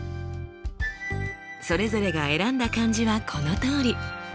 それぞれが選んだ漢字はこのとおり。